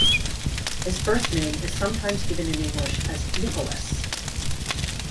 His first name is sometimes given in English as Nicholas.